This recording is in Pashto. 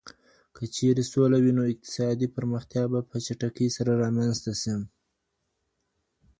که چیرې سوله وي نو اقتصادي پرمختیا به په چټکۍ سره رامنځته سي.